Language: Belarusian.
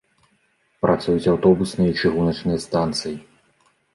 Працуюць аўтобусная і чыгуначная станцыі.